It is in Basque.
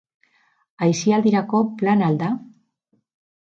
Aisialdirako plana al da?